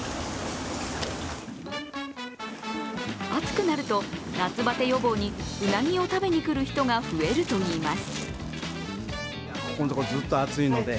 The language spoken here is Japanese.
暑くなると夏バテ予防に、うなぎを食べに来る人が増えるといいます。